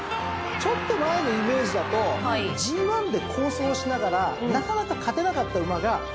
ちょっと前のイメージだとＧⅠで好走しながらなかなか勝てなかった馬が「よく頑張ったね」